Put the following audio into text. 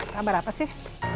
kabar apa sih